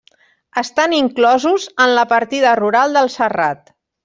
Estan inclosos en la partida rural del Serrat.